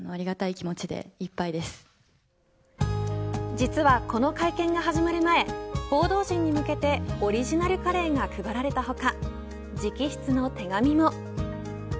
実は、この会見が始まる前報道陣に向けてオリジナルカレーが配られた他直筆の手紙も。